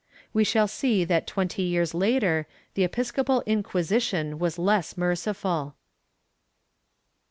^ We shall see that twenty years later the episcopal Inquisition was less merciful.